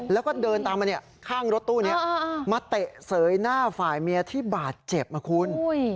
แล้วก็เดินตามมาข้างรถตู้นี้มาเตะเสยหน้าฝ่ายเมียที่บาดเจ็บนะคุณ